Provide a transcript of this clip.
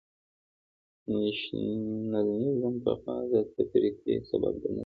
نېشنلېزم پخوا د تفرقې سبب ګڼل کېده.